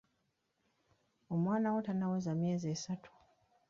Omwana wo tannaweza myezi esatu.